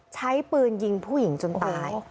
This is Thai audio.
ใช้ปืนยิงผู้หญิงจนตาย